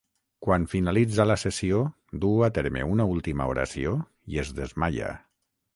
Quan finalitza la sessió, duu a terme una última oració i es desmaia.